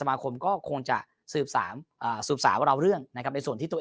สมาคมก็คงจะสืบสามสูบสายว่าเราเรื่องในส่วนที่ตัว